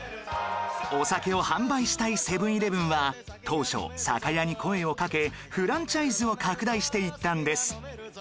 お酒を販売したいセブン−イレブンは当初酒屋に声をかけフランチャイズを拡大していったんです